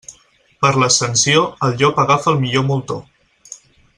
Per l'Ascensió, el llop agafa el millor moltó.